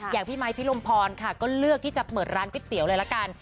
พี่ไมค์พี่ลมพรค่ะก็เลือกที่จะเปิดร้านก๋วยเตี๋ยวเลยละกัน